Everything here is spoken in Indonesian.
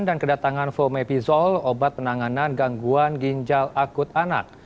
dan kedatangan fomepizol obat penanganan gangguan ginjal akut anak